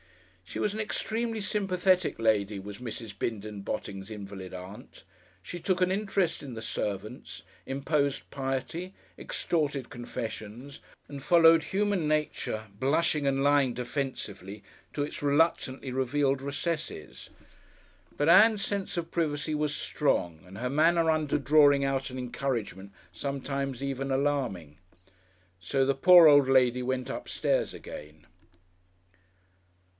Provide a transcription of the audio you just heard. She was an extremely sympathetic lady, was Mrs. Bindon Botting's invalid Aunt; she took an interest in the servants, imposed piety, extorted confessions and followed human nature, blushing and lying defensively, to its reluctantly revealed recesses, but Ann's sense of privacy was strong and her manner under drawing out and encouragement, sometimes even alarming.... So the poor old lady went upstairs again.